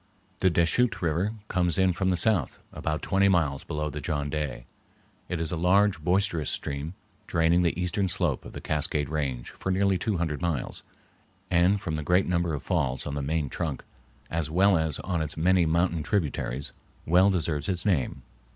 The Deschutes River comes in from the south about twenty miles below the John Day. It is a large, boisterous stream, draining the eastern slope of the Cascade Range for nearly two hundred miles, and from the great number of falls on the main trunk, as well as on its many mountain tributaries, well deserves its name.